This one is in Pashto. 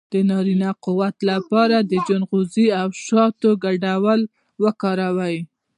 د نارینه قوت لپاره د چلغوزي او شاتو ګډول وکاروئ